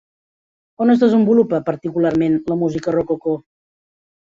On es desenvolupa particularment la música rococó?